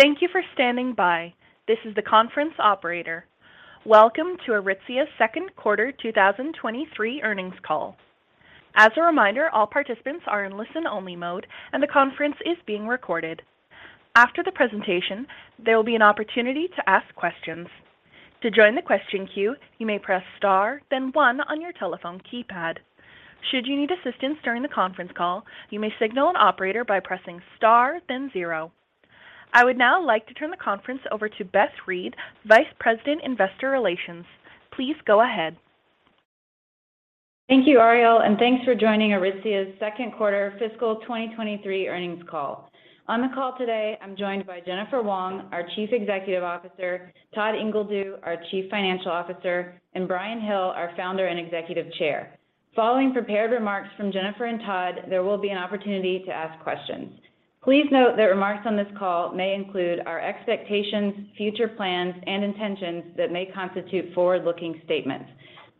Thank you for standing by. This is the conference operator. Welcome to Aritzia's second quarter 2023 earnings call. As a reminder, all participants are in listen-only mode, and the conference is being recorded. After the presentation, there will be an opportunity to ask questions. To join the question queue, you may press star, then one on your telephone keypad. Should you need assistance during the conference call, you may signal an operator by pressing star then zero. I would now like to turn the conference over to Beth Reed, Vice President, Investor Relations. Please go ahead. Thank you, Ariel, and thanks for joining Aritzia's second quarter fiscal 2023 earnings call. On the call today, I'm joined by Jennifer Wong, our Chief Executive Officer, Todd Ingledew, our Chief Financial Officer, and Brian Hill, our Founder and Executive Chair. Following prepared remarks from Jennifer and Todd, there will be an opportunity to ask questions. Please note that remarks on this call may include our expectations, future plans, and intentions that may constitute forward-looking statements.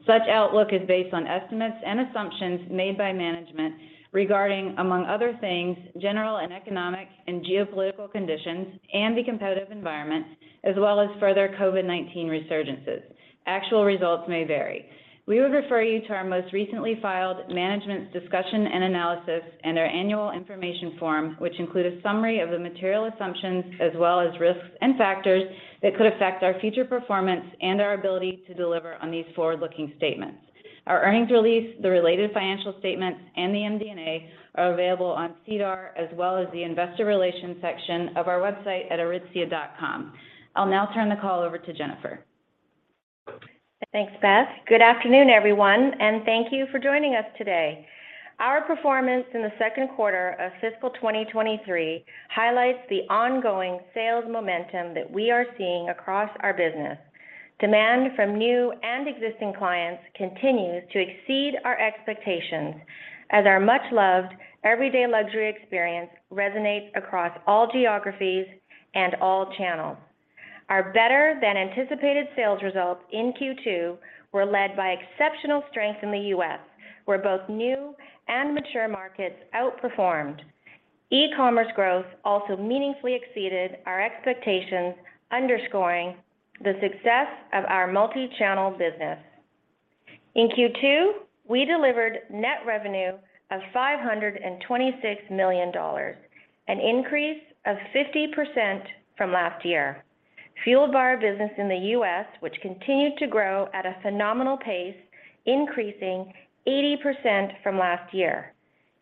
Such outlook is based on estimates and assumptions made by management regarding, among other things, general economic and geopolitical conditions and the competitive environment, as well as further COVID-19 resurgences. Actual results may vary. We would refer you to our most recently filed management discussion and analysis and our annual information form, which include a summary of the material assumptions as well as risks and factors that could affect our future performance and our ability to deliver on these forward-looking statements. Our earnings release, the related financial statements, and the MD&A are available on SEDAR as well as the investor relations section of our website at Aritzia.com. I'll now turn the call over to Jennifer. Thanks, Beth. Good afternoon, everyone, and thank you for joining us today. Our performance in the second quarter of fiscal 2023 highlights the ongoing sales momentum that we are seeing across our business. Demand from new and existing clients continues to exceed our expectations as our much-loved everyday luxury experience resonates across all geographies and all channels. Our better-than-anticipated sales results in Q2 were led by exceptional strength in the U.S., where both new and mature markets outperformed. E-commerce growth also meaningfully exceeded our expectations, underscoring the success of our multi-channel business. In Q2, we delivered net revenue of 526 million dollars, an increase of 50% from last year. Fueled by our business in the U.S., which continued to grow at a phenomenal pace, increasing 80% from last year.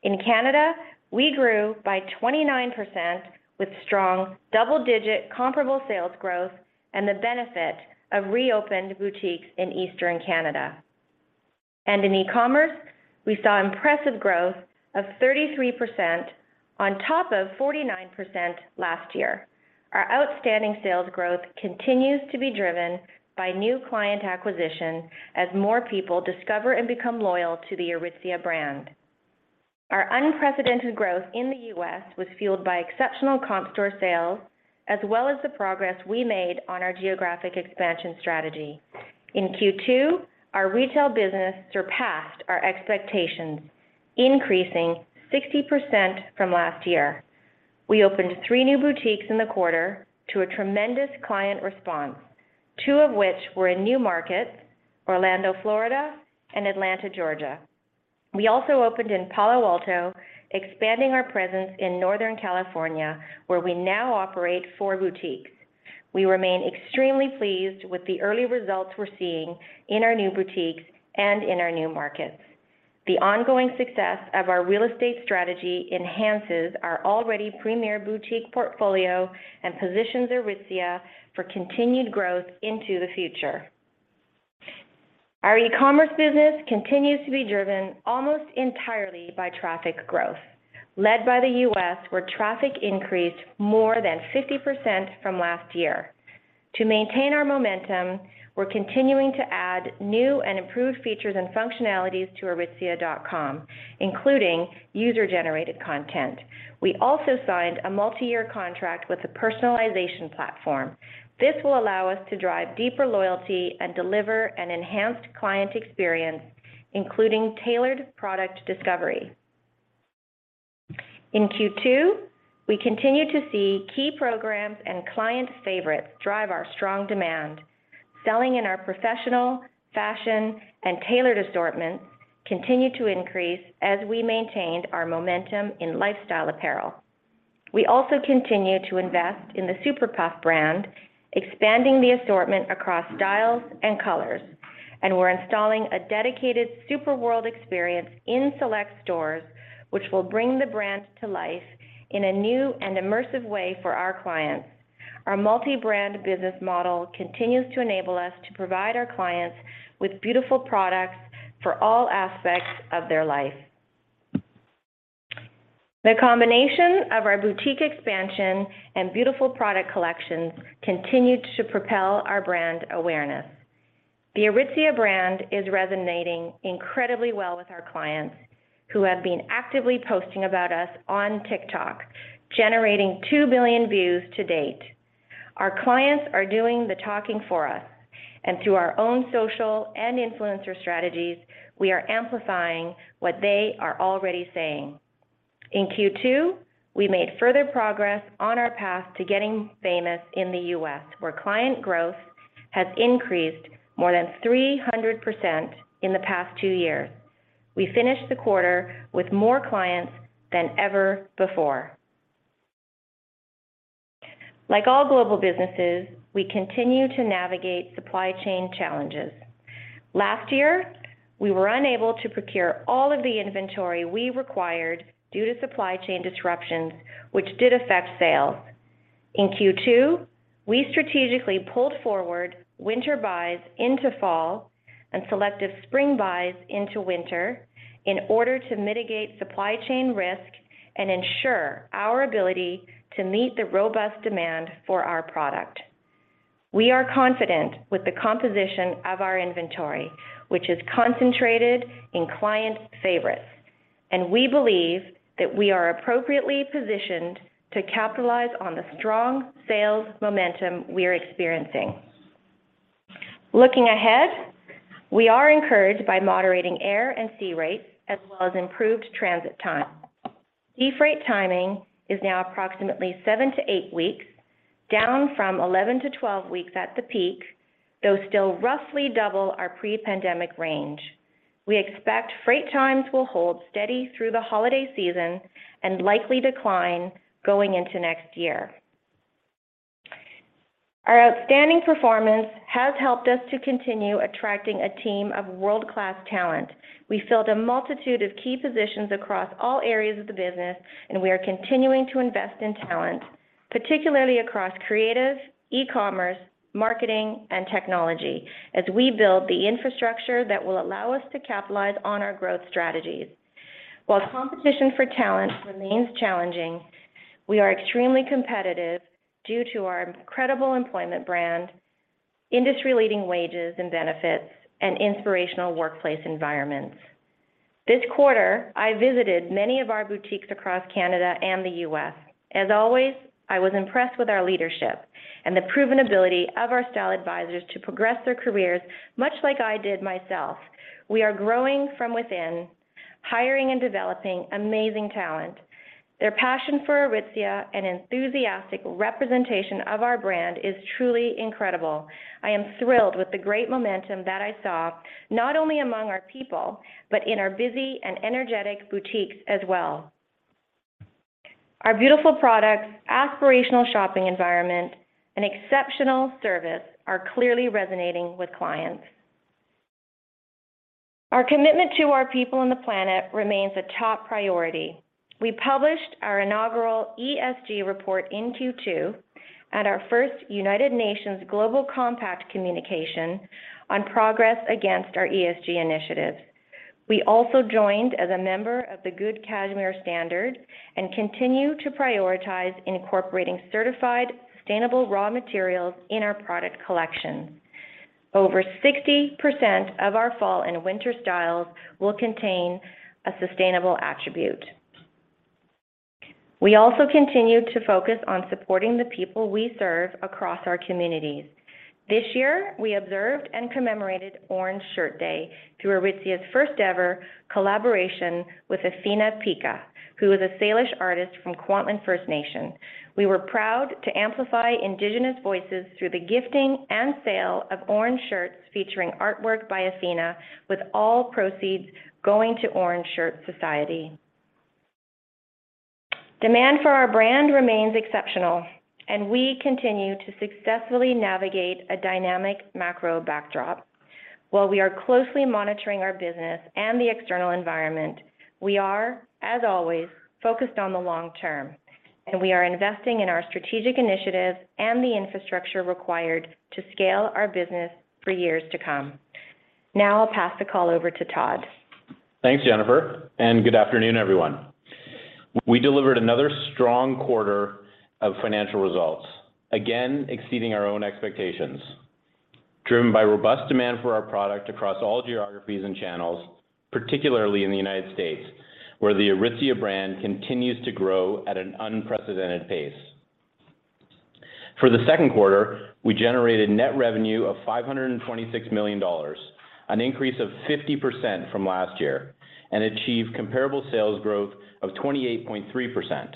In Canada, we grew by 29% with strong double-digit comparable sales growth and the benefit of reopened boutiques in Eastern Canada. In e-commerce, we saw impressive growth of 33% on top of 49% last year. Our outstanding sales growth continues to be driven by new client acquisition as more people discover and become loyal to the Aritzia brand. Our unprecedented growth in the U.S. was fueled by exceptional comp store sales as well as the progress we made on our geographic expansion strategy. In Q2, our retail business surpassed our expectations, increasing 60% from last year. We opened 3 new boutiques in the quarter to a tremendous client response, two of which were in new markets, Orlando, Florida, and Atlanta, Georgia. We also opened in Palo Alto, expanding our presence in Northern California, where we now operate 4 boutiques. We remain extremely pleased with the early results we're seeing in our new boutiques and in our new markets. The ongoing success of our real estate strategy enhances our already premier boutique portfolio and positions Aritzia for continued growth into the future. Our e-commerce business continues to be driven almost entirely by traffic growth, led by the U.S., where traffic increased more than 50% from last year. To maintain our momentum, we're continuing to add new and improved features and functionalities to Aritzia.com, including user-generated content. We also signed a multi-year contract with a personalization platform. This will allow us to drive deeper loyalty and deliver an enhanced client experience, including tailored product discovery. In Q2, we continue to see key programs and client favorites drive our strong demand. Selling in our professional, fashion, and tailored assortments continue to increase as we maintained our momentum in lifestyle apparel. We also continue to invest in the Super Puff brand, expanding the assortment across styles and colors. We're installing a dedicated Super World experience in select stores, which will bring the brand to life in a new and immersive way for our clients. Our multi-brand business model continues to enable us to provide our clients with beautiful products for all aspects of their life. The combination of our boutique expansion and beautiful product collections continued to propel our brand awareness. The Aritzia brand is resonating incredibly well with our clients, who have been actively posting about us on TikTok, generating 2 billion views to date. Our clients are doing the talking for us. Through our own social and influencer strategies, we are amplifying what they are already saying. In Q2, we made further progress on our path to getting famous in the U.S., where client growth has increased more than 300% in the past two years. We finished the quarter with more clients than ever before. Like all global businesses, we continue to navigate supply chain challenges. Last year, we were unable to procure all of the inventory we required due to supply chain disruptions, which did affect sales. In Q2, we strategically pulled forward winter buys into fall and selective spring buys into winter in order to mitigate supply chain risk and ensure our ability to meet the robust demand for our product. We are confident with the composition of our inventory, which is concentrated in client favorites, and we believe that we are appropriately positioned to capitalize on the strong sales momentum we are experiencing. Looking ahead, we are encouraged by moderating air and sea rates as well as improved transit time. Sea freight timing is now approximately 7-8 weeks, down from 11-12 weeks at the peak, though still roughly double our pre-pandemic range. We expect freight times will hold steady through the holiday season and likely decline going into next year. Our outstanding performance has helped us to continue attracting a team of world-class talent. We filled a multitude of key positions across all areas of the business, and we are continuing to invest in talent, particularly across creative, e-commerce, marketing, and technology as we build the infrastructure that will allow us to capitalize on our growth strategies. While competition for talent remains challenging, we are extremely competitive due to our incredible employment brand, industry-leading wages and benefits, and inspirational workplace environments. This quarter, I visited many of our boutiques across Canada and the U.S. As always, I was impressed with our leadership and the proven ability of our style advisors to progress their careers, much like I did myself. We are growing from within, hiring and developing amazing talent. Their passion for Aritzia and enthusiastic representation of our brand is truly incredible. I am thrilled with the great momentum that I saw, not only among our people, but in our busy and energetic boutiques as well. Our beautiful products, aspirational shopping environment, and exceptional service are clearly resonating with clients. Our commitment to our people and the planet remains a top priority. We published our inaugural ESG report in Q2 at our first United Nations Global Compact communication on progress against our ESG initiatives. We also joined as a member of the Good Cashmere Standard and continue to prioritize incorporating certified, sustainable raw materials in our product collections. Over 60% of our fall and winter styles will contain a sustainable attribute. We also continue to focus on supporting the people we serve across our communities. This year, we observed and commemorated Orange Shirt Day through Aritzia's first-ever collaboration with Atheana Picha, who is a Salish artist from Kwantlen First Nation. We were proud to amplify Indigenous voices through the gifting and sale of orange shirts featuring artwork by Atheana Picha, with all proceeds going to Orange Shirt Society. Demand for our brand remains exceptional, and we continue to successfully navigate a dynamic macro backdrop. While we are closely monitoring our business and the external environment, we are, as always, focused on the long term, and we are investing in our strategic initiatives and the infrastructure required to scale our business for years to come. Now I'll pass the call over to Todd. Thanks, Jennifer, and good afternoon, everyone. We delivered another strong quarter of financial results, again exceeding our own expectations, driven by robust demand for our product across all geographies and channels, particularly in the United States, where the Aritzia brand continues to grow at an unprecedented pace. For the second quarter, we generated net revenue of 526 million dollars, an increase of 50% from last year, and achieved comparable sales growth of 28.3%.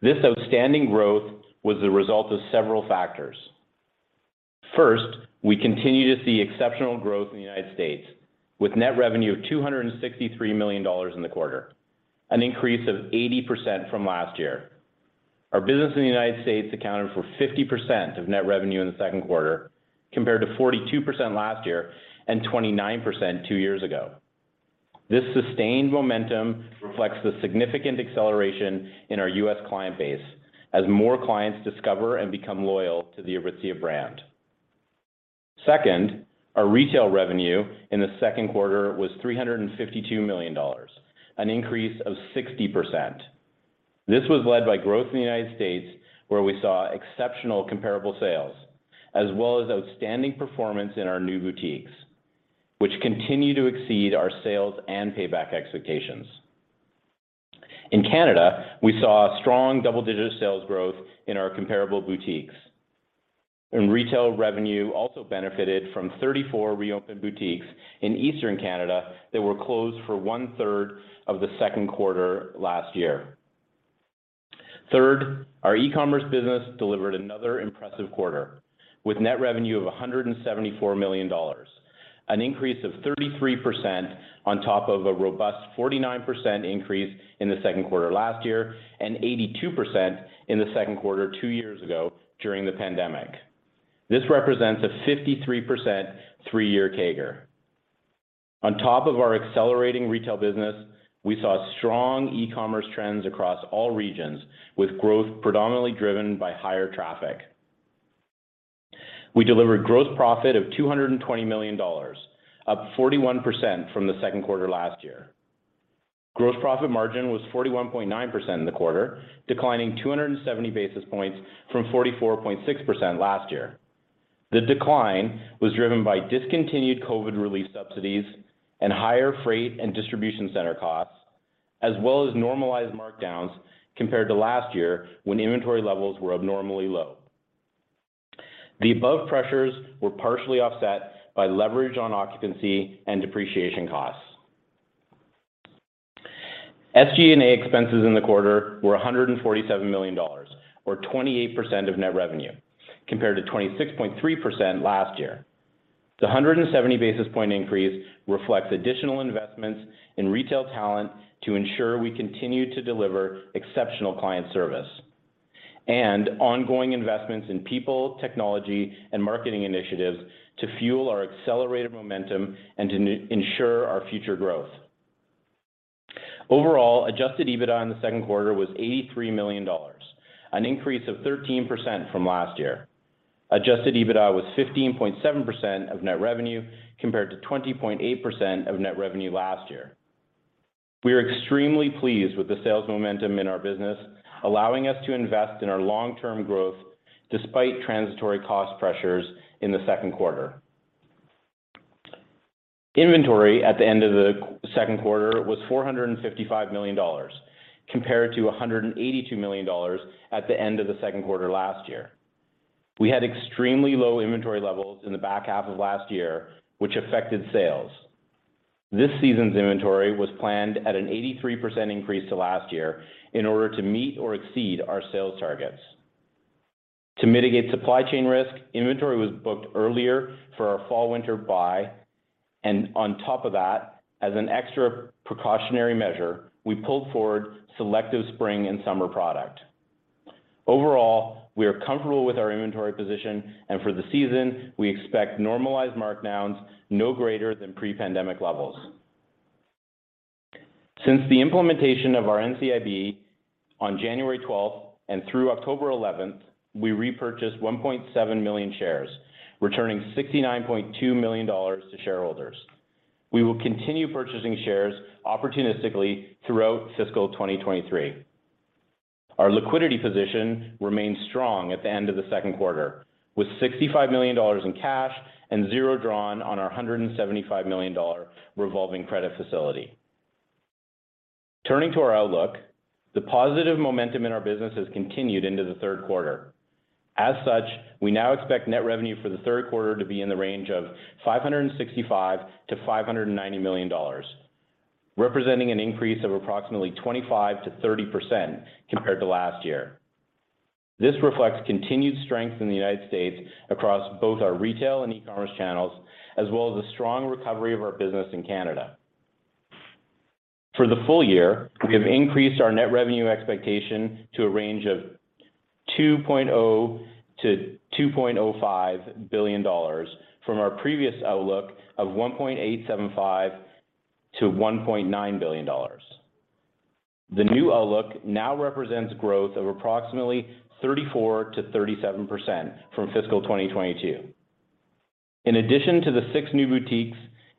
This outstanding growth was the result of several factors. First, we continue to see exceptional growth in the United States with net revenue of 263 million dollars in the quarter, an increase of 80% from last year. Our business in the United States accounted for 50% of net revenue in the second quarter, compared to 42% last year and 29% two years ago. This sustained momentum reflects the significant acceleration in our U.S. client base as more clients discover and become loyal to the Aritzia brand. Second, our retail revenue in the second quarter was 352 million dollars, an increase of 60%. This was led by growth in the United States, where we saw exceptional comparable sales, as well as outstanding performance in our new boutiques, which continue to exceed our sales and payback expectations. In Canada, we saw strong double-digit sales growth in our comparable boutiques. Retail revenue also benefited from 34 reopened boutiques in Eastern Canada that were closed for one-third of the second quarter last year. Third, our e-commerce business delivered another impressive quarter with net revenue of 174 million dollars, an increase of 33% on top of a robust 49% increase in the second quarter last year, and 82% in the second quarter two years ago during the pandemic. This represents a 53% three-year CAGR. On top of our accelerating retail business, we saw strong e-commerce trends across all regions, with growth predominantly driven by higher traffic. We delivered gross profit of 220 million dollars, up 41% from the second quarter last year. Gross profit margin was 41.9% in the quarter, declining 270 basis points from 44.6% last year. The decline was driven by discontinued COVID relief subsidies and higher freight and distribution center costs, as well as normalized markdowns compared to last year when inventory levels were abnormally low. The above pressures were partially offset by leverage on occupancy and depreciation costs. SG&A expenses in the quarter were 147 million dollars or 28% of net revenue, compared to 26.3% last year. The 170 basis point increase reflects additional investments in retail talent to ensure we continue to deliver exceptional client service and ongoing investments in people, technology, and marketing initiatives to fuel our accelerated momentum and to ensure our future growth. Overall, adjusted EBITDA in the second quarter was 83 million dollars, an increase of 13% from last year. Adjusted EBITDA was 15.7% of net revenue compared to 20.8% of net revenue last year. We are extremely pleased with the sales momentum in our business, allowing us to invest in our long-term growth despite transitory cost pressures in the second quarter. Inventory at the end of the second quarter was 455 million dollars, compared to 182 million dollars at the end of the second quarter last year. We had extremely low inventory levels in the back half of last year, which affected sales. This season's inventory was planned at an 83% increase to last year in order to meet or exceed our sales targets. To mitigate supply chain risk, inventory was booked earlier for our fall/winter buy, and on top of that, as an extra precautionary measure, we pulled forward selective spring and summer product. Overall, we are comfortable with our inventory position, and for the season, we expect normalized markdowns no greater than pre-pandemic levels. Since the implementation of our NCIB on January twelfth and through October eleventh, we repurchased 1.7 million shares, returning 69.2 million dollars to shareholders. We will continue purchasing shares opportunistically throughout fiscal 2023. Our liquidity position remains strong at the end of the second quarter, with 65 million dollars in cash and 0 drawn on our 175 million dollar revolving credit facility. Turning to our outlook, the positive momentum in our business has continued into the third quarter. As such, we now expect net revenue for the third quarter to be in the range of 565 million-590 million dollars, representing an increase of approximately 25%-30% compared to last year. This reflects continued strength in the United States across both our retail and e-commerce channels, as well as a strong recovery of our business in Canada. For the full year, we have increased our net revenue expectation to a range of 2.0 billion-2.05 billion dollars from our previous outlook of 1.875 billion-1.9 billion dollars. The new outlook now represents growth of approximately 34%-37% from fiscal 2022. In addition to the 6 new boutiques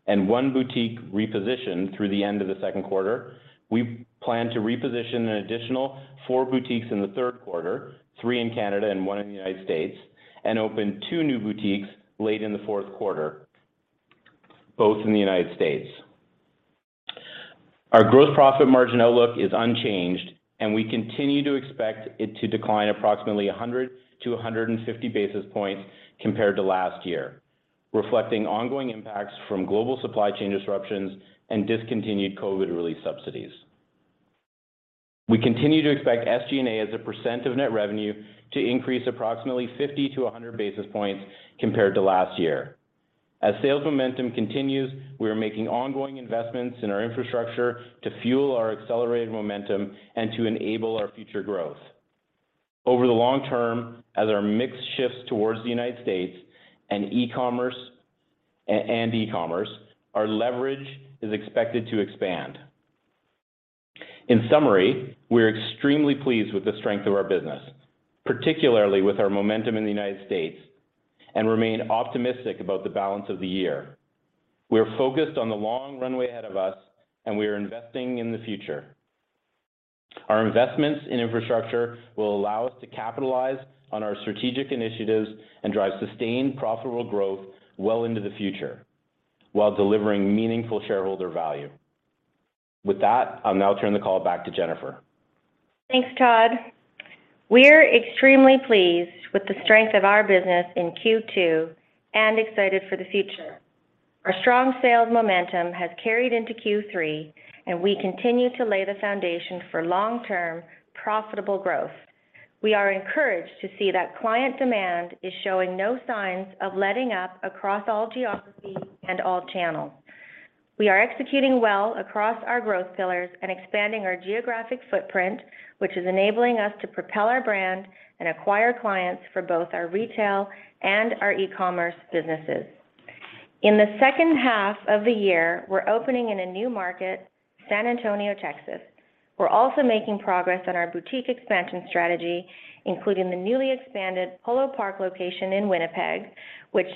and 1 boutique repositioned through the end of the second quarter, we plan to reposition an additional 4 boutiques in the third quarter, 3 in Canada and 1 in the United States, and open 2 new boutiques late in the fourth quarter, both in the United States. Our gross profit margin outlook is unchanged, and we continue to expect it to decline approximately 100-150 basis points compared to last year, reflecting ongoing impacts from global supply chain disruptions and discontinued COVID relief subsidies. We continue to expect SG&A as a percent of net revenue to increase approximately 50-100 basis points compared to last year. As sales momentum continues, we are making ongoing investments in our infrastructure to fuel our accelerated momentum and to enable our future growth. Over the long term, as our mix shifts towards the United States and e-commerce, our leverage is expected to expand. In summary, we are extremely pleased with the strength of our business, particularly with our momentum in the United States, and remain optimistic about the balance of the year. We are focused on the long runway ahead of us and we are investing in the future. Our investments in infrastructure will allow us to capitalize on our strategic initiatives and drive sustained profitable growth well into the future. While delivering meaningful shareholder value. With that, I'll now turn the call back to Jennifer. Thanks, Todd. We're extremely pleased with the strength of our business in Q2 and excited for the future. Our strong sales momentum has carried into Q3, and we continue to lay the foundation for long-term profitable growth. We are encouraged to see that client demand is showing no signs of letting up across all geographies and all channels. We are executing well across our growth pillars and expanding our geographic footprint, which is enabling us to propel our brand and acquire clients for both our retail and our e-commerce businesses. In the second half of the year, we're opening in a new market, San Antonio, Texas. We're also making progress on our boutique expansion strategy, including the newly expanded Polo Park location in Winnipeg, which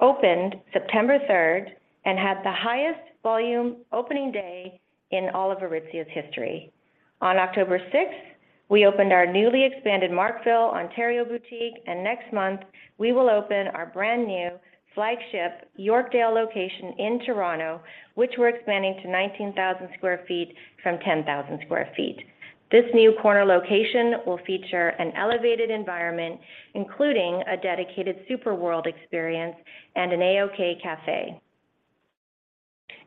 opened September third and had the highest volume opening day in all of Aritzia's history. On October sixth, we opened our newly expanded Markville, Ontario boutique, and next month, we will open our brand new flagship Yorkdale location in Toronto, which we're expanding to 19,000 sq ft from 10,000 sq ft. This new corner location will feature an elevated environment, including a dedicated Super World experience and an A-OK Cafe.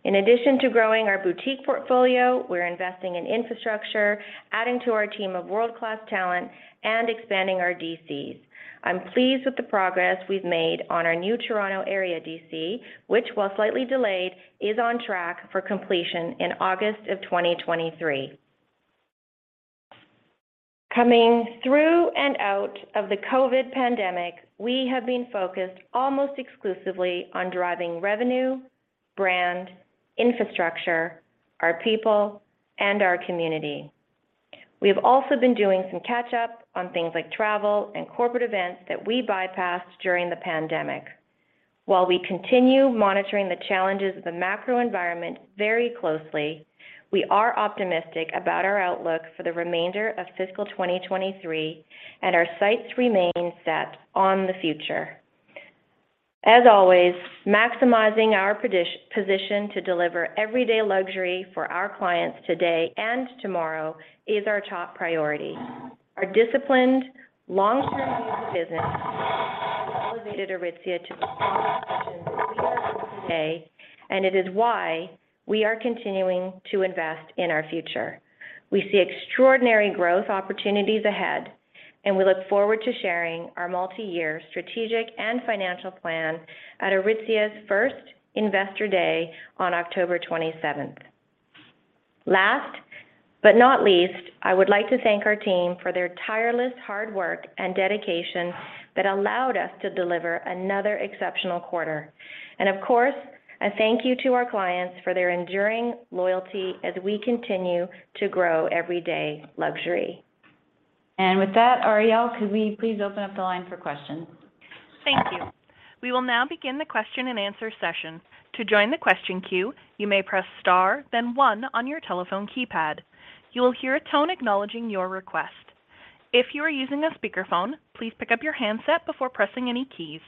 In addition to growing our boutique portfolio, we're investing in infrastructure, adding to our team of world-class talent and expanding our DCs. I'm pleased with the progress we've made on our new Toronto area DC, which, while slightly delayed, is on track for completion in August of 2023. Coming through and out of the COVID pandemic, we have been focused almost exclusively on driving revenue, brand, infrastructure, our people, and our community. We have also been doing some catch-up on things like travel and corporate events that we bypassed during the pandemic. While we continue monitoring the challenges of the macro environment very closely, we are optimistic about our outlook for the remainder of fiscal 2023, and our sights remain set on the future. As always, maximizing our position to deliver everyday luxury for our clients today and tomorrow is our top priority. Our disciplined long-term view of the business has elevated Aritzia to the strong position that we are in today, and it is why we are continuing to invest in our future. We see extraordinary growth opportunities ahead, and we look forward to sharing our multiyear strategic and financial plan at Aritzia's first Investor Day on October 27. Last but not least, I would like to thank our team for their tireless hard work and dedication that allowed us to deliver another exceptional quarter. Of course, a thank you to our clients for their enduring loyalty as we continue to grow everyday luxury. With that, Ariel, could we please open up the line for questions? Thank you. We will now begin the question and answer session. To join the question queue, you may press star, then one on your telephone keypad. You will hear a tone acknowledging your request. If you are using a speakerphone, please pick up your handset before pressing any keys.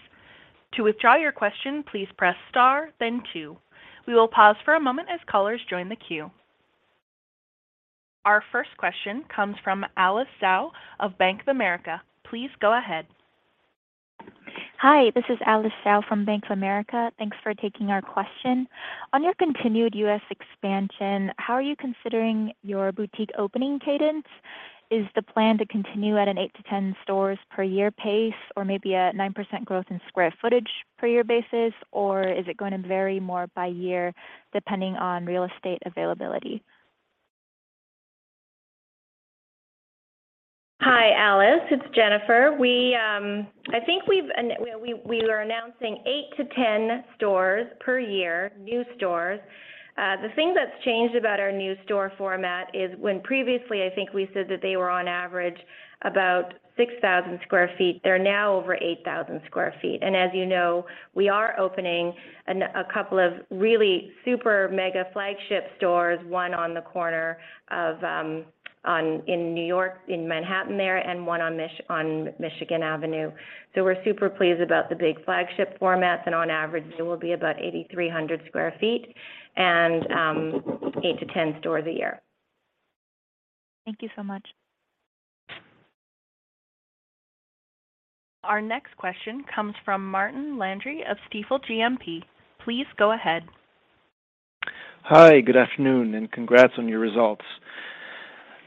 To withdraw your question, please press star, then two. We will pause for a moment as callers join the queue. Our first question comes from Alice Xiao of Bank of America. Please go ahead. Hi, this is Alice Xiao from Bank of America. Thanks for taking our question. On your continued US expansion, how are you considering your boutique opening cadence? Is the plan to continue at an 8-10 stores per year pace or maybe a 9% growth in square footage per year basis? Or is it going to vary more by year depending on real estate availability? Hi, Alice. It's Jennifer. I think we were announcing 8-10 stores per year, new stores. The thing that's changed about our new store format is when previously I think we said that they were on average about 6,000 sq ft, they're now over 8,000 sq ft. As you know, we are opening a couple of really super mega flagship stores, one on the corner in New York, in Manhattan there, and one on Michigan Avenue. We're super pleased about the big flagship formats, and on average, they will be about 8,300 sq ft and 8-10 stores a year. Thank you so much. Our next question comes from Martin Landry of Stifel GMP. Please go ahead. Hi, good afternoon, and congrats on your results.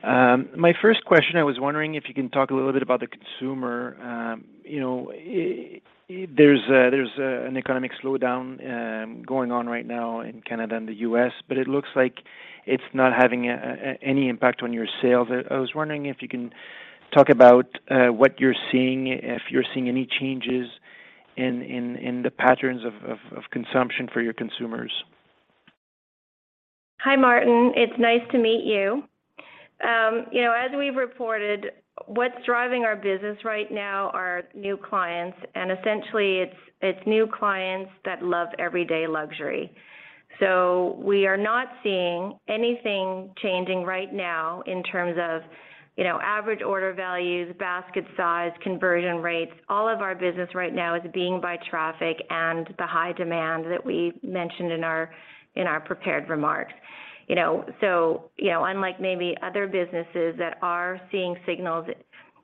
My first question, I was wondering if you can talk a little bit about the consumer. You know, there's an economic slowdown going on right now in Canada and the U.S., but it looks like it's not having any impact on your sales. I was wondering if you can talk about what you're seeing, if you're seeing any changes in the patterns of consumption for your consumers. Hi, Martin. It's nice to meet you. You know, as we've reported, what's driving our business right now are new clients, and essentially it's new clients that love everyday luxury. We are not seeing anything changing right now in terms of, you know, average order values, basket size, conversion rates. All of our business right now is being driven by traffic and the high demand that we mentioned in our prepared remarks. You know, so, you know, unlike maybe other businesses that are seeing signals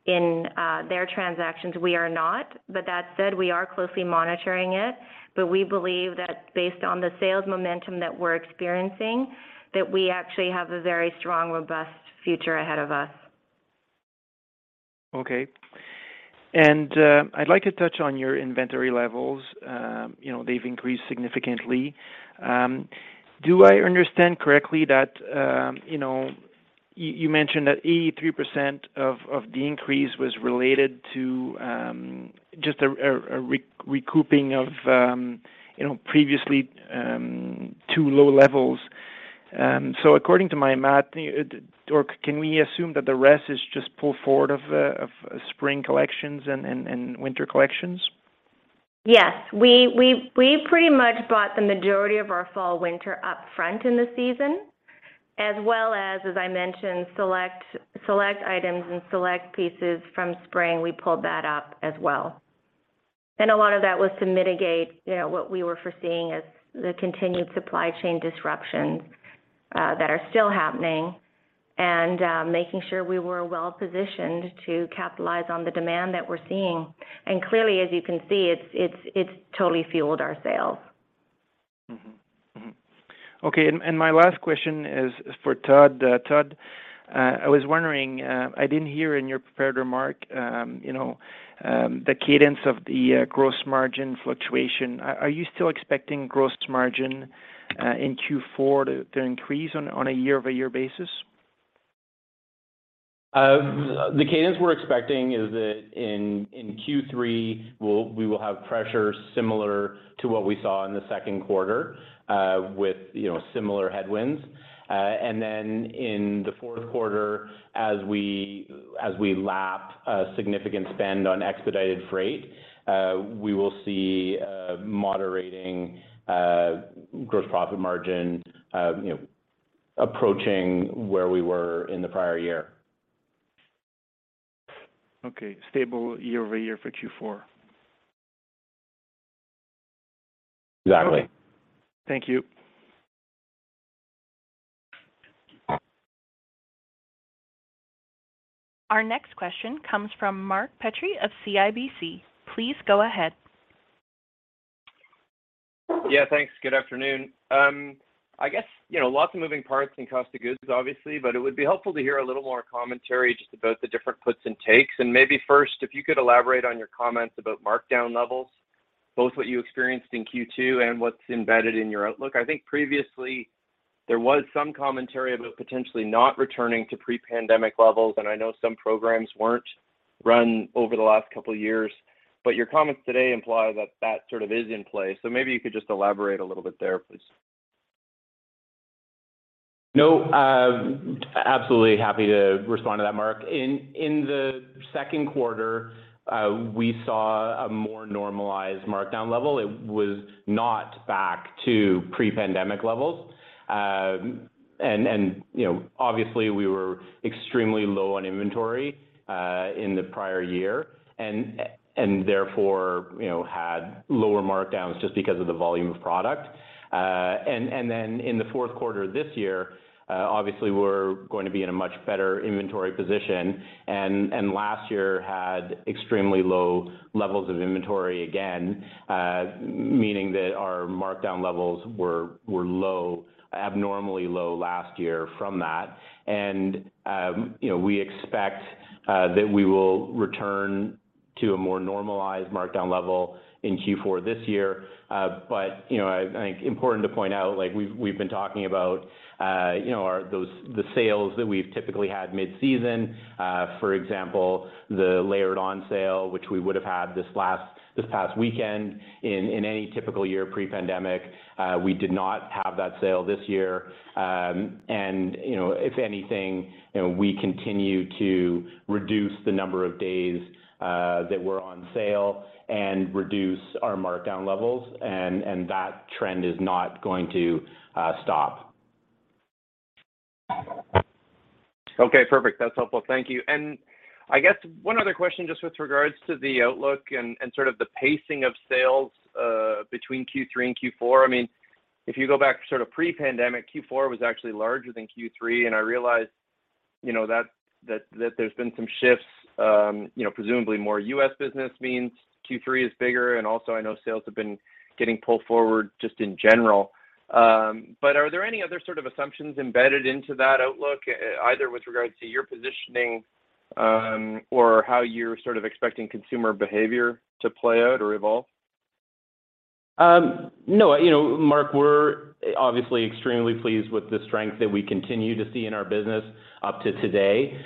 in their transactions, we are not. That said, we are closely monitoring it, but we believe that based on the sales momentum that we're experiencing, that we actually have a very strong, robust future ahead of us. Okay. I'd like to touch on your inventory levels. You know, they've increased significantly. Do I understand correctly that you know, you mentioned that 83% of the increase was related to just recouping of you know, previously too low levels. According to my math, or can we assume that the rest is just pull forward of spring collections and winter collections? Yes. We pretty much bought the majority of our fall/winter upfront in the season, as well as I mentioned, select items and select pieces from spring, we pulled that up as well. A lot of that was to mitigate, you know, what we were foreseeing as the continued supply chain disruptions, that are still happening and, making sure we were well-positioned to capitalize on the demand that we're seeing. Clearly, as you can see, it's totally fueled our sales. Okay. My last question is for Todd. Todd, I was wondering, I didn't hear in your prepared remark, you know, the cadence of the gross margin fluctuation. Are you still expecting gross margin in Q4 to increase on a year-over-year basis? The cadence we're expecting is that in Q3, we will have pressure similar to what we saw in the second quarter, with you know, similar headwinds. In the fourth quarter as we lap a significant spend on expedited freight, we will see a moderating gross profit margin, you know, approaching where we were in the prior year. Okay. Stable year-over-year for Q4. Exactly. Thank you. Our next question comes from Mark Petrie of CIBC. Please go ahead. Yeah, thanks. Good afternoon. I guess, you know, lots of moving parts in cost of goods obviously, but it would be helpful to hear a little more commentary just about the different puts and takes. Maybe first, if you could elaborate on your comments about markdown levels, both what you experienced in Q2 and what's embedded in your outlook. I think previously there was some commentary about potentially not returning to pre-pandemic levels, and I know some programs weren't run over the last couple of years. Your comments today imply that that sort of is in play. Maybe you could just elaborate a little bit there, please. No, absolutely happy to respond to that, Mark. In the second quarter, we saw a more normalized markdown level. It was not back to pre-pandemic levels. You know, obviously we were extremely low on inventory in the prior year and therefore you know had lower markdowns just because of the volume of product. Then in the fourth quarter this year, obviously we're going to be in a much better inventory position. Last year had extremely low levels of inventory, again, meaning that our markdown levels were low, abnormally low last year from that. You know, we expect that we will return to a more normalized markdown level in Q4 this year. I think important to point out, like we've been talking about, you know, the sales that we've typically had mid-season, for example, the Labour Day sale, which we would have had this past weekend in any typical year pre-pandemic. We did not have that sale this year. You know, if anything, you know, we continue to reduce the number of days that were on sale and reduce our markdown levels, and that trend is not going to stop. Okay, perfect. That's helpful. Thank you. I guess one other question just with regards to the outlook and sort of the pacing of sales between Q3 and Q4. I mean, if you go back sort of pre-pandemic, Q4 was actually larger than Q3, and I realize, you know, that there's been some shifts, you know, presumably more US business means Q3 is bigger, and also I know sales have been getting pulled forward just in general. Are there any other sort of assumptions embedded into that outlook, either with regards to your positioning, or how you're sort of expecting consumer behavior to play out or evolve? No. You know, Mark, we're obviously extremely pleased with the strength that we continue to see in our business up to today.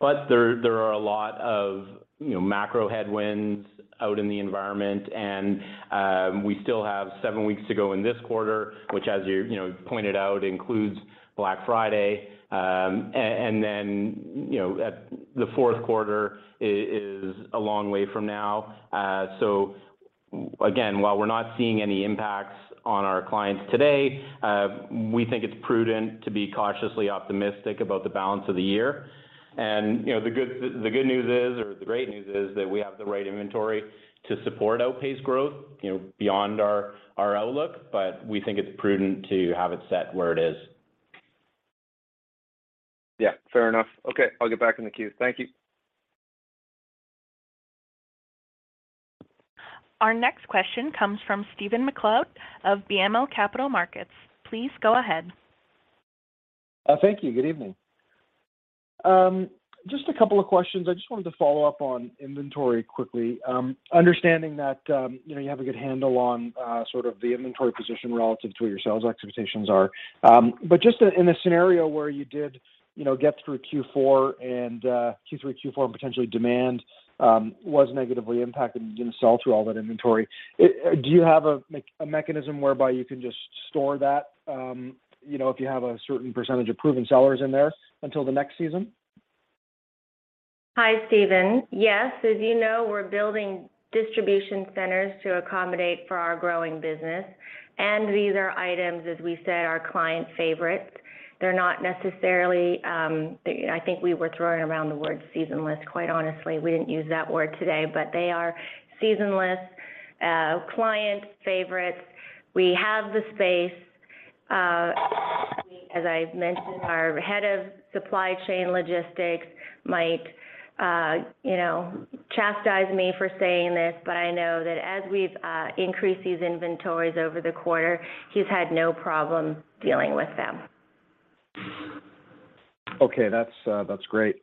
There are a lot of, you know, macro headwinds out in the environment and we still have seven weeks to go in this quarter, which as you know, pointed out, includes Black Friday. You know, the fourth quarter is a long way from now. Again, while we're not seeing any impacts on our clients today, we think it's prudent to be cautiously optimistic about the balance of the year. You know, the good news is or the great news is that we have the right inventory to support outpaced growth, you know, beyond our outlook. We think it's prudent to have it set where it is. Yeah, fair enough. Okay, I'll get back in the queue. Thank you. Our next question comes from Stephen MacLeod of BMO Capital Markets. Please go ahead. Thank you. Good evening. Just a couple of questions. I just wanted to follow up on inventory quickly. Understanding that, you know, you have a good handle on sort of the inventory position relative to what your sales expectations are. But just in a scenario where you did, you know, get through Q4 and Q3, Q4, and potentially demand was negatively impacted and you didn't sell through all that inventory, do you have a mechanism whereby you can just store that, you know, if you have a certain percentage of proven sellers in there until the next season? Hi, Stephen. Yes, as you know, we're building distribution centers to accommodate for our growing business, and these are items, as we said, are client favorites. They're not necessarily. I think we were throwing around the word seasonless, quite honestly. We didn't use that word today, but they are seasonless client favorites. We have the space. As I've mentioned, our head of supply chain logistics might, you know, chastise me for saying this, but I know that as we've increased these inventories over the quarter, he's had no problem dealing with them. Okay. That's great.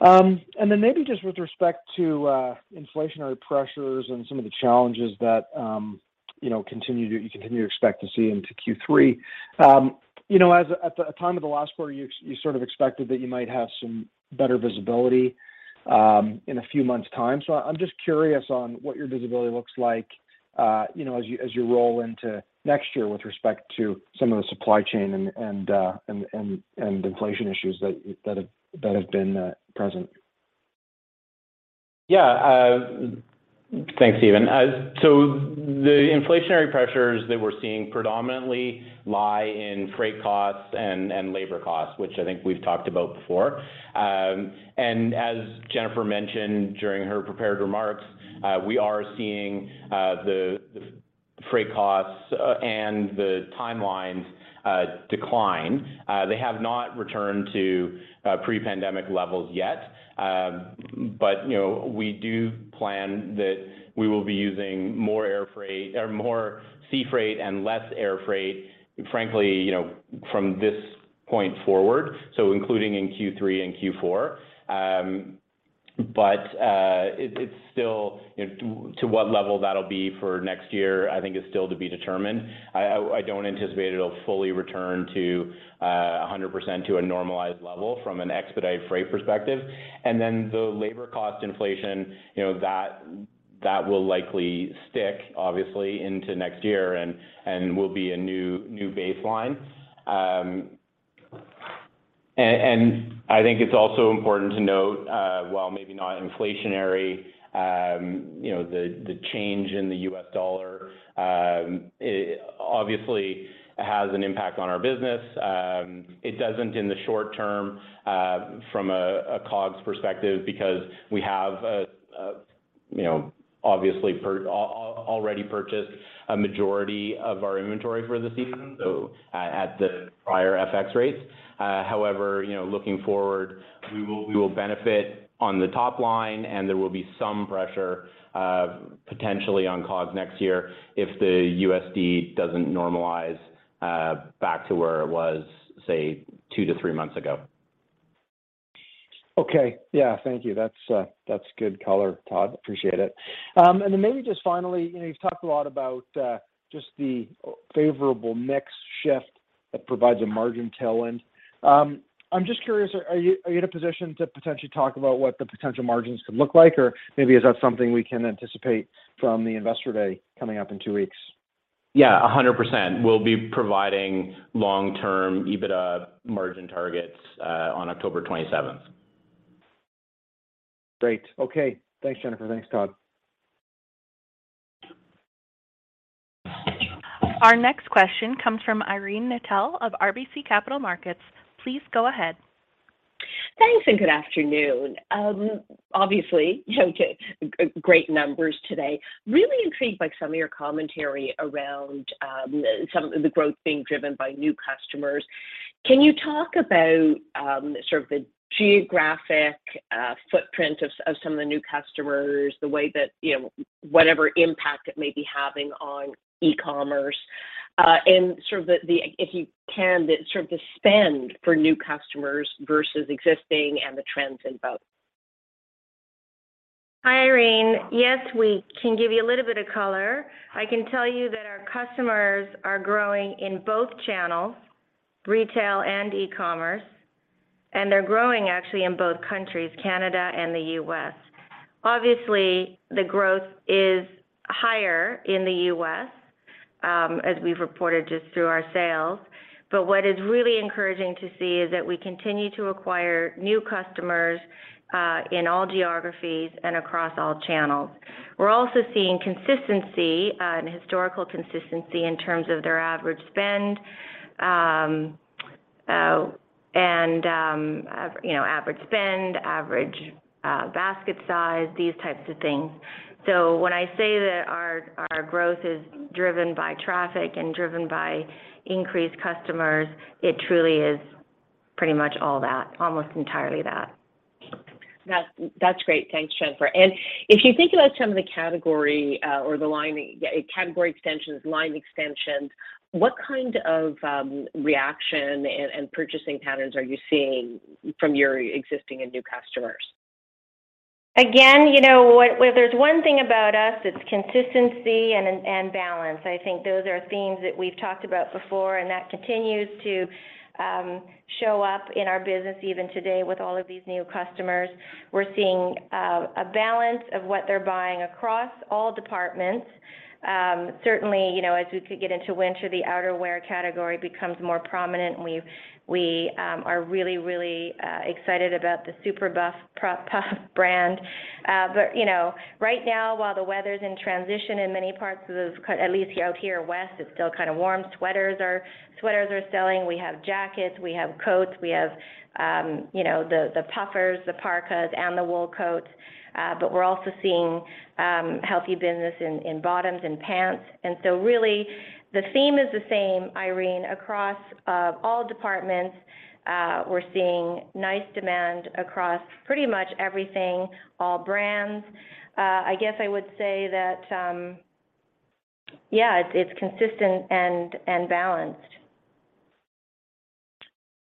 Then maybe just with respect to inflationary pressures and some of the challenges that you know you continue to expect to see into Q3. You know, at the time of the last quarter, you sort of expected that you might have some better visibility in a few months' time. I'm just curious on what your visibility looks like, you know, as you roll into next year with respect to some of the supply chain and inflation issues that have been present. Yeah. Thanks, Stephen. The inflationary pressures that we're seeing predominantly lie in freight costs and labor costs, which I think we've talked about before. As Jennifer mentioned during her prepared remarks, we are seeing the freight costs and the timelines decline. They have not returned to pre-pandemic levels yet. You know, we do plan that we will be using more sea freight and less air freight, frankly, you know, from this point forward, so including in Q3 and Q4. It's still to what level that'll be for next year, I think, is still to be determined. I don't anticipate it'll fully return to 100% to a normalized level from an expedited freight perspective. Then the labor cost inflation, you know, that will likely stick obviously into next year and will be a new baseline. I think it's also important to note, while maybe not inflationary, you know, the change in the US dollar obviously has an impact on our business. It doesn't in the short term, from a COGS perspective because we have, you know, obviously already purchased a majority of our inventory for the season, so at the prior FX rates. However, you know, looking forward, we will benefit on the top line, and there will be some pressure, potentially on COGS next year if the USD doesn't normalize back to where it was, say, two to three months ago. Okay. Yeah. Thank you. That's good color, Todd. Appreciate it. Then maybe just finally, you know, you've talked a lot about just the favorable mix shift that provides a margin tailwind. I'm just curious, are you in a position to potentially talk about what the potential margins could look like, or maybe is that something we can anticipate from the Investor Day coming up in two weeks? Yeah, 100%. We'll be providing long-term EBITDA margin targets on October twenty-seventh. Great. Okay. Thanks, Jennifer. Thanks, Todd. Our next question comes from Irene Nattel of RBC Capital Markets. Please go ahead. Thanks, good afternoon. Obviously, you know, great numbers today. Really intrigued by some of your commentary around some of the growth being driven by new customers. Can you talk about sort of the geographic footprint of some of the new customers, the way that, you know, whatever impact it may be having on e-commerce, and sort of the spend for new customers versus existing and the trends in both? Hi, Irene. Yes, we can give you a little bit of color. I can tell you that our customers are growing in both channels, retail and e-commerce, and they're growing actually in both countries, Canada and the US. Obviously, the growth is higher in the US. As we've reported just through our sales. What is really encouraging to see is that we continue to acquire new customers in all geographies and across all channels. We're also seeing consistency and historical consistency in terms of their average spend and average basket size, these types of things. When I say that our growth is driven by traffic and driven by increased customers, it truly is pretty much all that, almost entirely that. That's great. Thanks, Jennifer. If you think about some of the category or category extensions, line extensions, what kind of reaction and purchasing patterns are you seeing from your existing and new customers? Again, you know, where there's one thing about us, it's consistency and balance. I think those are themes that we've talked about before, and that continues to show up in our business even today with all of these new customers. We're seeing a balance of what they're buying across all departments. Certainly, you know, as we get into winter, the outerwear category becomes more prominent, and we are really excited about the Super Puff brand. But, you know, right now, while the weather's in transition in many parts of the country at least out here west, it's still kind of warm. Sweaters are selling. We have jackets, we have coats, we have, you know, the puffers, the parkas, and the wool coats. We're also seeing healthy business in bottoms and pants. Really the theme is the same, Irene. Across all departments, we're seeing nice demand across pretty much everything, all brands. I guess I would say that it's consistent and balanced.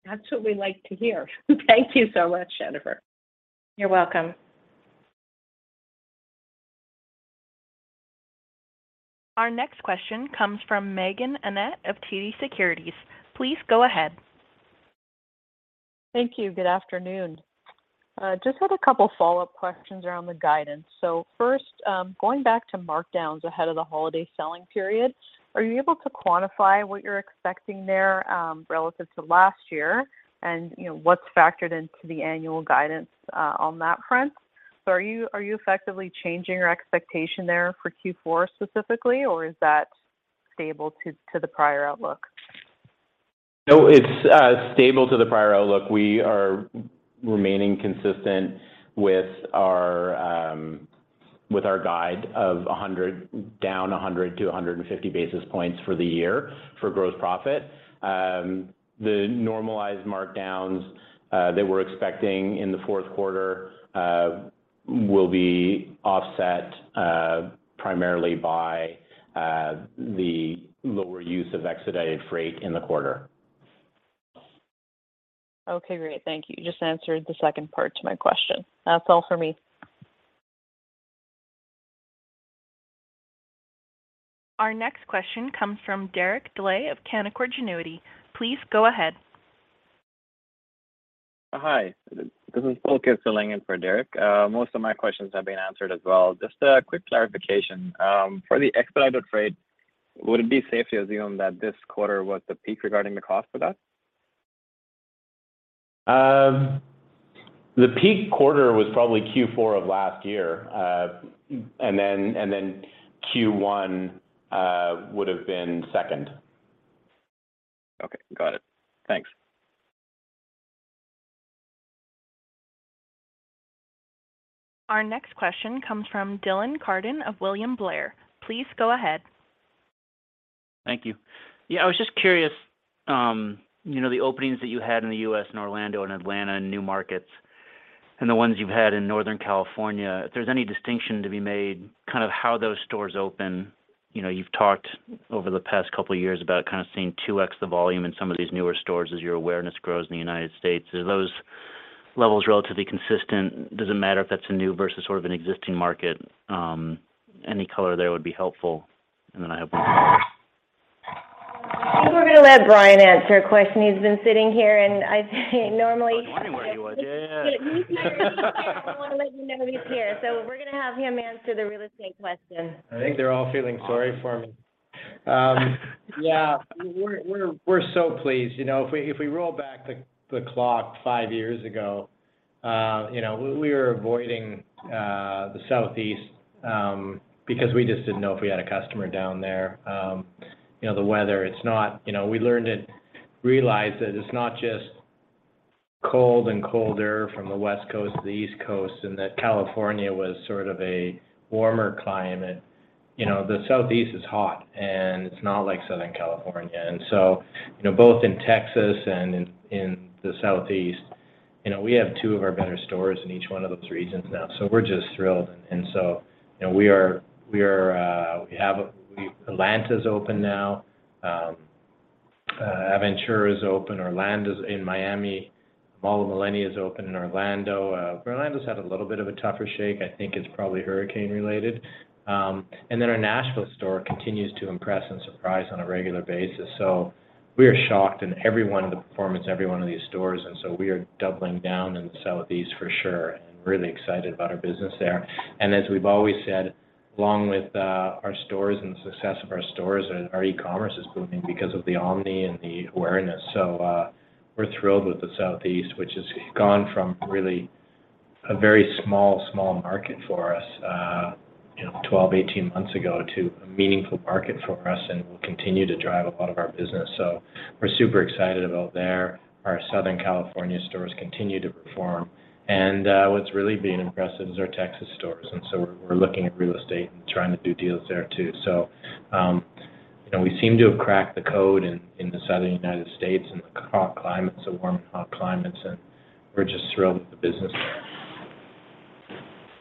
That's what we like to hear. Thank you so much, Jennifer. You're welcome. Our next question comes from Meaghen Annett of TD Securities. Please go ahead. Thank you. Good afternoon. Just had a couple follow-up questions around the guidance. First, going back to markdowns ahead of the holiday selling period, are you able to quantify what you're expecting there relative to last year? You know, what's factored into the annual guidance on that front? Are you effectively changing your expectation there for Q4 specifically, or is that stable to the prior outlook? No, it's stable to the prior outlook. We are remaining consistent with our guide of down 100-150 basis points for the year for gross profit. The normalized markdowns that we're expecting in the fourth quarter will be offset primarily by the lower use of expedited freight in the quarter. Okay, great. Thank you. You just answered the second part to my question. That's all for me. Our next question comes from Derek Dley of Canaccord Genuity. Please go ahead. Hi, this is Paul Kiss filling in for Derek. Most of my questions have been answered as well. Just a quick clarification. For the expedited freight, would it be safe to assume that this quarter was the peak regarding the cost for that? The peak quarter was probably Q4 of last year. Q1 would've been second. Okay. Got it. Thanks. Our next question comes from Dylan Carden of William Blair. Please go ahead. Thank you. Yeah, I was just curious, you know, the openings that you had in the U.S. in Orlando and Atlanta and new markets, and the ones you've had in Northern California, if there's any distinction to be made kind of how those stores open? You know, you've talked over the past couple years about kind of seeing 2x the volume in some of these newer stores as your awareness grows in the United States. Are those levels relatively consistent? Does it matter if that's a new versus sort of an existing market? Any color there would be helpful. I have one more, I think we're gonna let Brian answer a question. He's been sitting here, and I think normally. I was wondering where he was. Yeah, yeah. He's not really here, but I wanna let you know he's here. We're gonna have him answer the real estate question. I think they're all feeling sorry for me. Yeah, we're so pleased. You know, if we roll back the clock five years ago, you know, we were avoiding the Southeast because we just didn't know if we had a customer down there. You know, the weather. It's not just cold and colder from the West Coast to the East Coast, and that California was sort of a warmer climate. You know, we learned to realize that. You know, the Southeast is hot, and it's not like Southern California. You know, both in Texas and in the Southeast, you know, we have two of our better stores in each one of those regions now. We're just thrilled. You know, Atlanta's open now. Aventura is open. Orlando's. In Miami, Mall at Millenia is open in Orlando. Orlando's had a little bit of a tougher shake, I think it's probably hurricane related. Our Nashville store continues to impress and surprise on a regular basis. We are shocked in every one of the performance, every one of these stores, and so we are doubling down in the Southeast for sure, and really excited about our business there. As we've always said, along with our stores and the success of our stores, our e-commerce is booming because of the omni and the awareness. We're thrilled with the Southeast, which has gone from really a very small market for us 12, 18 months ago to a meaningful market for us, and will continue to drive a lot of our business. We're super excited about there. Our Southern California stores continue to perform. What's really been impressive is our Texas stores, and so we're looking at real estate and trying to do deals there, too. We seem to have cracked the code in the Southern United States and the hot climates, the warm and hot climates, and we're just thrilled with the business there.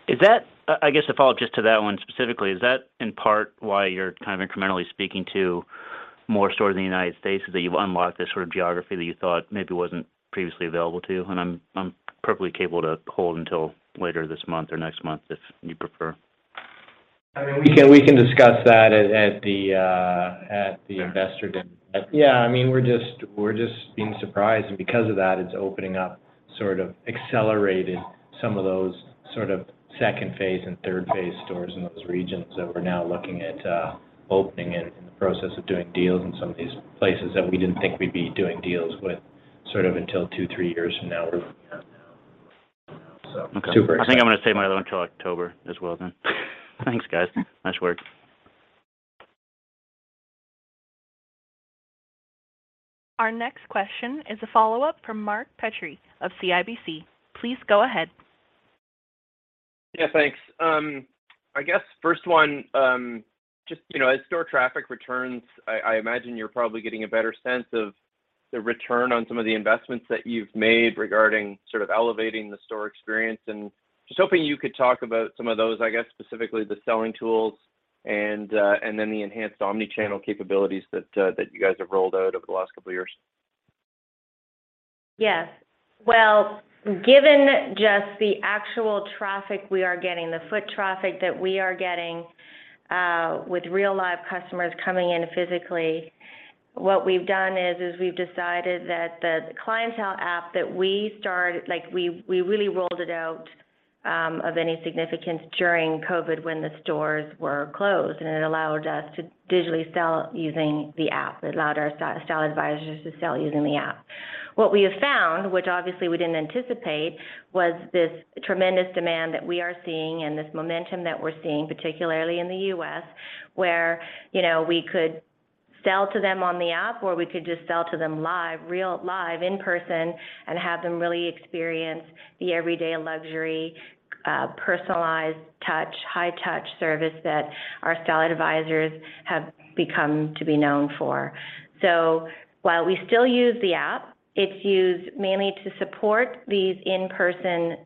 Is that I guess to follow up just to that one specifically, is that in part why you're kind of incrementally speaking to more stores in the United States, is that you've unlocked this sort of geography that you thought maybe wasn't previously available to you? I'm perfectly capable to hold until later this month or next month if you prefer. I mean, we can discuss that at the investor dinner. Yeah, I mean, we're just being surprised. Because of that, it's opening up sort of accelerated some of those sort of second phase and third phase stores in those regions that we're now looking at opening and in the process of doing deals in some of these places that we didn't think we'd be doing deals with sort of until 2, 3 years from now. We're looking at now, so super excited. Okay. I think I'm gonna save my other one till October as well then. Thanks, guys. Nice work. Our next question is a follow-up from Mark Petrie of CIBC. Please go ahead. Yeah, thanks. I guess first one, just, you know, as store traffic returns, I imagine you're probably getting a better sense of the return on some of the investments that you've made regarding sort of elevating the store experience, and just hoping you could talk about some of those, I guess specifically the selling tools and then the enhanced omni-channel capabilities that you guys have rolled out over the last couple of years. Yes. Well, given just the actual traffic we are getting, the foot traffic that we are getting, with real live customers coming in physically, what we've done is we've decided that the clientele app that we started, like, we really rolled it out of any significance during COVID when the stores were closed, and it allowed us to digitally sell using the app. It allowed our style advisors to sell using the app. What we have found, which obviously we didn't anticipate, was this tremendous demand that we are seeing and this momentum that we're seeing, particularly in the U.S., where, you know, we could sell to them on the app, or we could just sell to them live, real live in person, and have them really experience the everyday luxury, personalized touch, high touch service that our style advisors have become to be known for. So while we still use the app, it's used mainly to support these in-person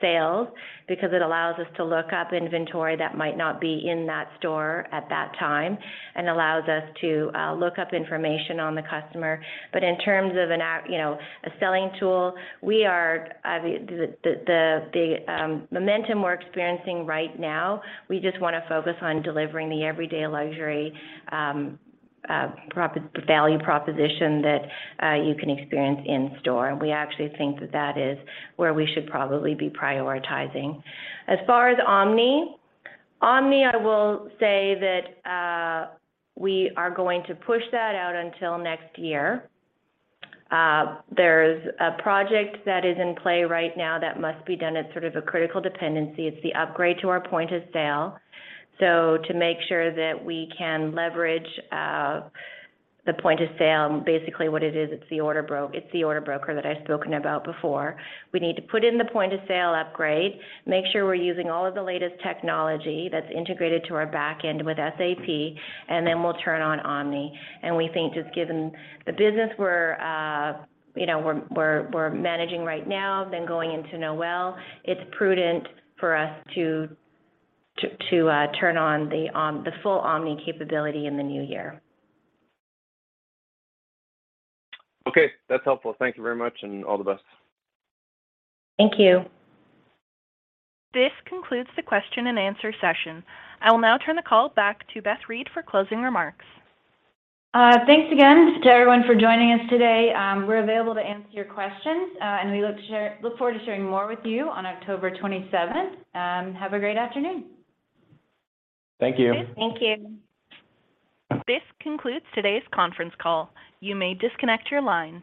sales because it allows us to look up inventory that might not be in that store at that time and allows us to look up information on the customer. In terms of an app, you know, a selling tool, we are the momentum we're experiencing right now, we just wanna focus on delivering the everyday luxury value proposition that you can experience in store. We actually think that that is where we should probably be prioritizing. As far as omni, I will say that we are going to push that out until next year. There's a project that is in play right now that must be done. It's sort of a critical dependency. It's the upgrade to our point of sale. To make sure that we can leverage the point of sale, and basically what it is, it's the order broker that I've spoken about before. We need to put in the point of sale upgrade, make sure we're using all of the latest technology that's integrated to our back end with SAP, and then we'll turn on omni. We think just given the business we're managing right now, then going into Noël, it's prudent for us to turn on the full omni capability in the new year. Okay. That's helpful. Thank you very much, and all the best. Thank you. This concludes the question and answer session. I will now turn the call back to Beth Reed for closing remarks. Thanks again to everyone for joining us today. We're available to answer your questions, and we look forward to sharing more with you on October twenty-seventh. Have a great afternoon. Thank you. Okay. Thank you. This concludes today's conference call. You may disconnect your lines.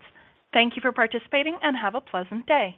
Thank you for participating, and have a pleasant day.